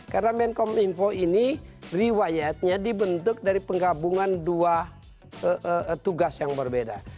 karena menkom info ini riwayatnya dibentuk dari penggabungan dua tugas yang berbeda